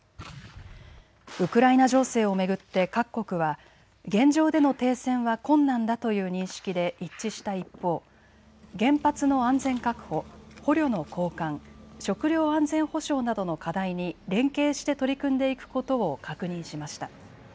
ウクライナ情勢を巡って各国は現状での停戦は困難だという認識で一致した一方、原発の安全確保、捕虜の交換、食料安全保障などの課題に連携して取り組んでいくことを確認しました。